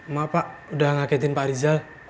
maap pak udah ngaketin pak riza